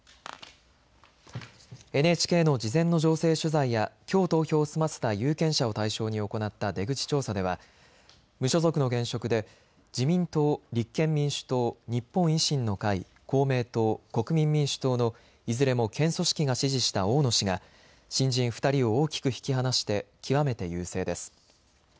ＮＨＫの事前の情勢取材やきょう投票を済ませた有権者を対象に行った出口調査では無所属の現職で自民党、立憲民主党、日本維新の会、公明党、国民民主党のいずれも県組織が支持した大野氏が新人２人を大きく引き離して極めて優勢です。